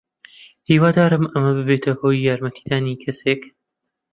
هیوادارم ئەمە ببێتە هۆی یارمەتیدانی کەسێک.